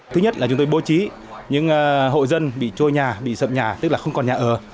thứ nhất là chúng tôi bố trí những hộ dân bị trôi nhà bị sập nhà tức là không còn nhà ở